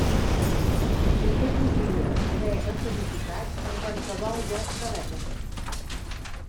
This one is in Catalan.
I que podria haver escenificat amb qualsevol web de l'època.